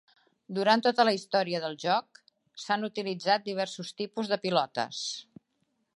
Durant tota la història del joc s'han utilitzat diversos tipus de pilotes.